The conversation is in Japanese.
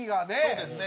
そうですね